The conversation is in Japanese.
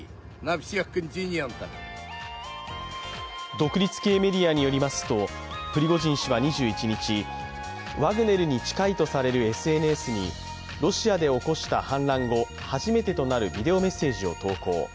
独立系メディアによりますとプリゴジン氏は２１日ワグネルに近いとされるＳＮＳにロシアで起こした反乱後、初めてとなるビデオメッセージを投稿。